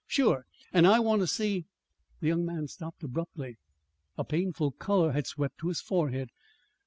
"Sure! And I want to see " The young man stopped abruptly. A painful color had swept to his forehead.